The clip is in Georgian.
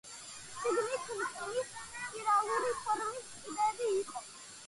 შიგნით რკინის სპირალური ფორმის კიბეები იყო.